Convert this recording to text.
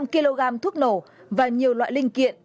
một trăm chín mươi năm kg thuốc nổ và nhiều loại linh kiện